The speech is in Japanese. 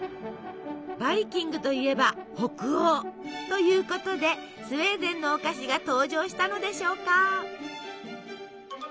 バイキングといえば北欧！ということでスウェーデンのお菓子が登場したのでしょうか。